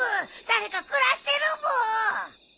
誰か暮らしてるブー。